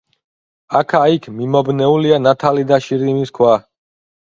აქა-იქ მიმობნეულია ნათალი და შირიმის ქვა.